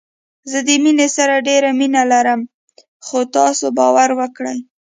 زه د مينې سره ډېره مينه لرم خو تاسو باور وکړئ